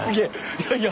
いやいや。